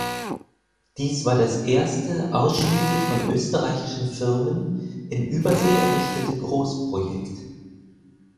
Dies war das erste ausschließlich von österreichischen Firmen in Übersee errichtete Großprojekt.